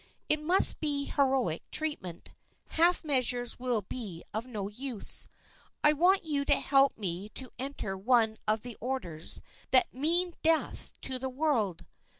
It must be heroic treatment. Half measures will be no use. I want you to help me to enter one of the orders that mean death to the world.